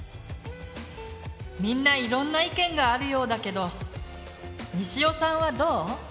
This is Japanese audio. みんないろんな意見があるようだけどにしおさんはどう？